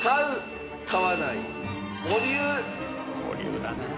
「保留だな」